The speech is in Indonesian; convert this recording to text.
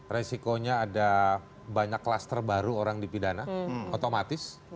resikonya ada banyak klaster baru orang dipidana otomatis